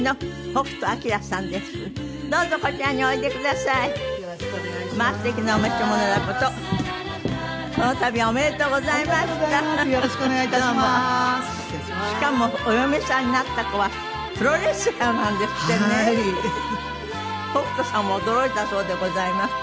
北斗さんも驚いたそうでございます。